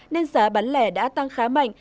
nên giá bán lẻ đã tăng khá mạnh